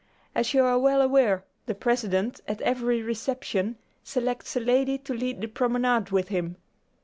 As you are well aware, the President, at every reception, selects a lady to lead the promenade with him.